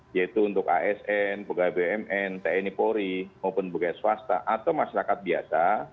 yaitu untuk asn pegawai bumn tni polri maupun pegawai swasta atau masyarakat biasa